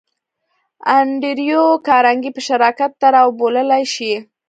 انډریو کارنګي به شراکت ته را وبللای شې